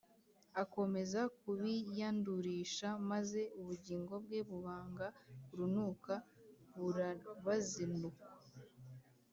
akomeza kubiyandurisha maze ubugingo bwe bubanga urunuka burabazinukwa